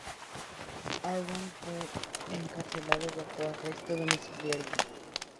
Arron fue encarcelado bajo arresto domiciliario.